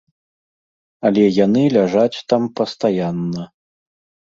Але яны ляжаць там пастаянна.